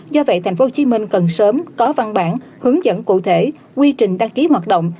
do vậy tp hcm cần sớm có văn bản hướng dẫn cụ thể quy trình đăng ký hoạt động